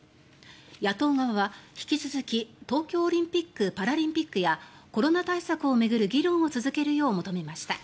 野党側は引き続き東京オリンピック・パラリンピックやコロナ対策を巡る議論を続けるよう求めました。